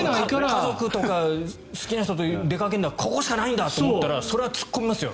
家族とか好きな人と出かけるのはここしかないんだと思ったらそれは突っ込みますよ。